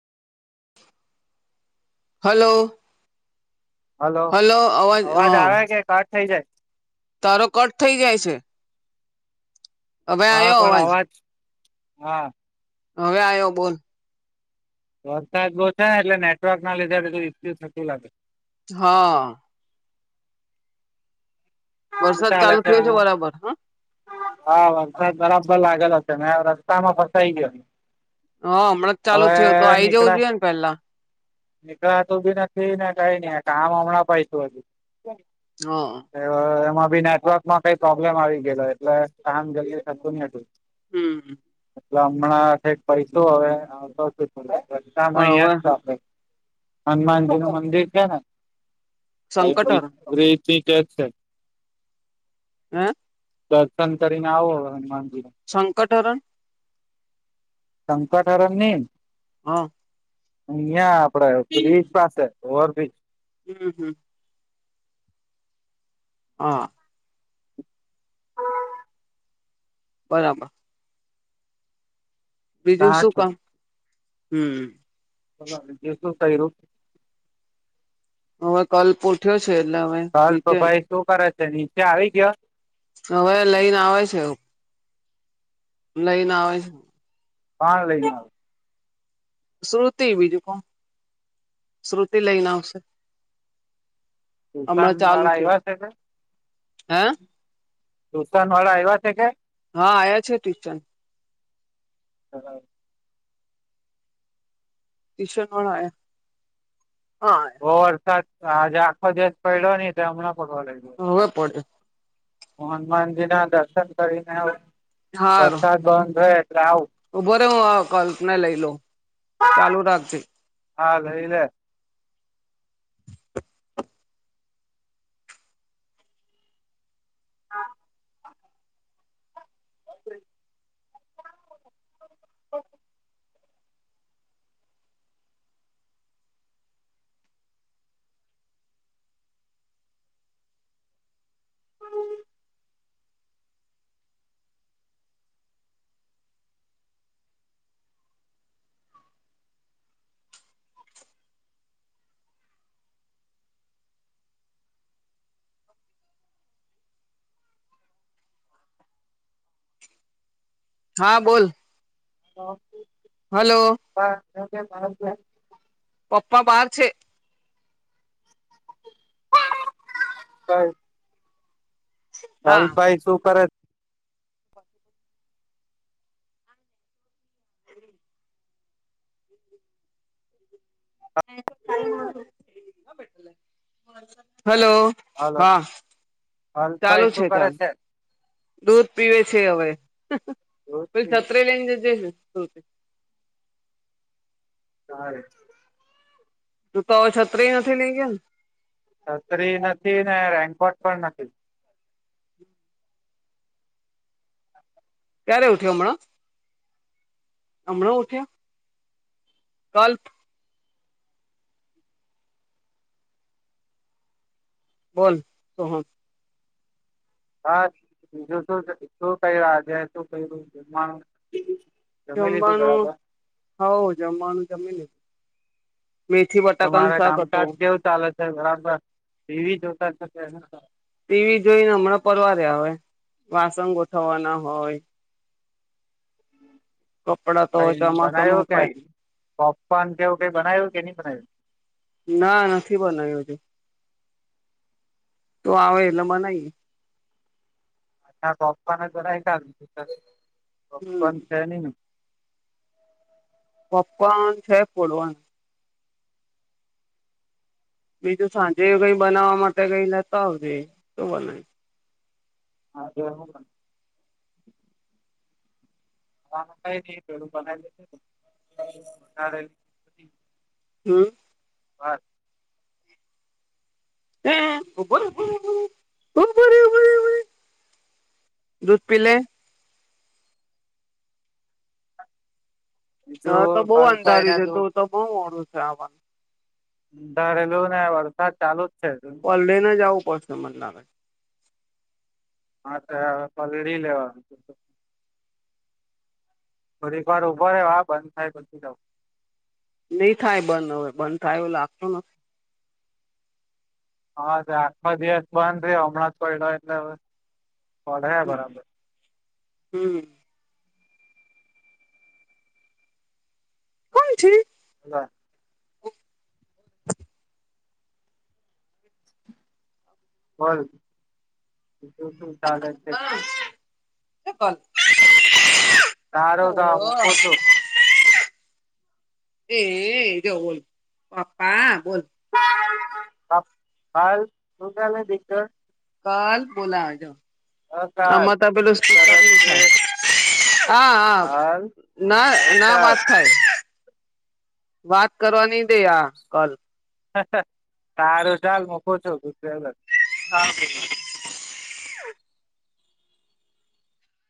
Hello hello અવાજ આવે કે કટ થઈ જાય તારો કટ થઈ જાય છે હવે હા આવ્યો પણ અવાજ હા હવે આવ્યો બોલ વરસાદ બો છે એટલે નેટવર્ક ના લીધેટલું સતું લાગે હા શું વરસાદ ચાલે ચાલુ થયો છે બરાબર હા હા વરસાદ બરાબર લાગેલો હશે ને રસ્તા માં ફસાઈ ગયો હ હમણાં ચાલુ હવે થયું તો આઈ જવું નીકળા જોઈએ ને પેલા નીકળાતું બી નથી ને કઈ નઈ કામ હમણાં પાય તું હજ હ એમાં બી નેટવર્ક માં કઈ પ્રોબ્લેમ આવી ગયો એટલે કામ જ થતું નહ હતું હમ્મ એટલે હમણાંક પૈસો હવે તો રતામાં પણ હવે અહિયાં જ આપડે હનુમાનજી નું મંદિર છે ને સંકટહર સા કે છે હમ્મ દર્શન કરીને આવો હનુમાનજીને સંકટ હરણ શંકાઠરણની હા અહં આપડે બ્રિજ પાસે ઓવર બિજ હમ હમ હ બરાબર બીજું તા શું છું કામ હમ હ દસ થ હવે કલ પોઠ્યો છે એટલે હમે નીચે ભાઈ શું કરે છે નીચે આવી ગયો હવે લઈને આવે છે એવું લઈને આવે પા લઈ શુતિ બીજું કોણ શ્રુતિ લઈને આવશે હમણાં તુસાન ચાલુ વાળા થયું એવા છે કે હે તુશાન વાળા એવા છે કે હા આવ્યા છે ટ્યુશન [unintelligible] તીશનોળયા હા બ વરસાદ આજે આખો દિવસ પડ્યો નહી તો હમણાં પડવા લાગ હવે પડે હનુમાનજી ના દર્શન કરીને વરસાદ બંધ થ એટલે આવું ઉભોરે હું આ કલ્પના લઈ લઉ ચાલુ રાખતી હાઈલે [inaudible] [inaudible] [inaudible] [inaudible] હા બોલ તો હલો [unintelligible] પપ્પા બહાર છે હ અલ હા ભાઈ શું કરે છે હમ હલો હા ચાલુ અલ્ભાઈ શું કરે ચાલુ છે દૂધ પીવે છે હવે પ છત્ર લઈને જજ દૂધ સાર તું તો હવે છત્રી નથી લઈ ગયા ને છતરી નથી ને રેન્કોટ પણ નથી ક્યારે ઉઠ્યા હમણાં હમણાં ઉઠ્યા કાલ બોલ તો હ હા બીજું શું શું ક આજે શું ક્યું જમવાનું હો જમવાનું જમીને મેથી બટાકાનું તમારે શાક હતો કામકાજ કેવું ચાલે છે બરાબર એીવી જોતા ટીવી જોઈને હમણાં પરવારે આવે વાસંગોઠવાના હોય કપડાં તો ભઈ ચોમાસામાં બનાવ્યો કે હુકાય પોપકોર્ન કેવું કઈ બનાવ્યું કે નહી બનાવ્યું ના નથી બનાધું તું આવે એટલે મનાઈ અા પપ્પન તો હમ પપ્પ છે ન પપ્પા છે પડવાનું બીજું સાંજે કઈ બનાવવા માટે કઈ લેતા આવજે તો બનાય હા એ હ કું બના હમ હા હબર હબર [unintelligible] દૂધ પીલે. ત્યા તો બીજું બઉ પલ્પ અંધારયુ એના છે, જો તો તો બઉ મોડુ થાય અમાર. ધારેલુંને વરસાદ ચાલુ જ છે હજુ. પલળીને જ આવું પડશે મન લાગે. હા, તે હવે પલળડી લેવાનું તો તો. થોડીક વાર ઊભો રે વા બંધ થાય પછી જવ. ની થાય બંધ હવે, બંધ થાય એવું લાગતું નથી. હા જ આખા દિવસ બંધ રહ્યો, હમણા જ પડ્યો એટલે હવે પડહે બરાબર. હમ. કોણ છે? બોલ, બીજું શું ચાલે છે? એપલ. સારું તો ઓ મૂકું છું એ, જોવ બોલ. પપ્પા બોલ. પપ્પ, હાલ શું ચાલે દીકરા? કલ બોલાવે જો. કાલ કાલ આમા તો પેલું સ્પીકરનું છે. હા, હા. ના, ના કાલ. વાત થાય. વાત કરવા ની દે આ કલ. સારું ચાલ મૂકુ છુ. દૂધ પીલે. હા [unintelligible]